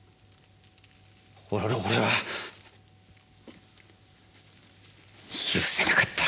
俺は許せなかった。